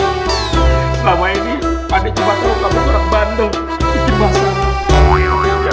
selama ini pande cuma tunggu kamu ke bandung bikin masalah